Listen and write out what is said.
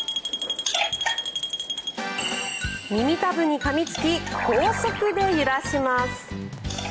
耳たぶにかみつき高速で揺らします。